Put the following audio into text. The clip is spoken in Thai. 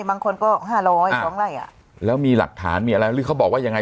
บางคนก็ห้าร้อยสองไร่อ่ะแล้วมีหลักฐานมีอะไรหรือเขาบอกว่ายังไง